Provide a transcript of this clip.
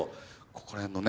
ここら辺のね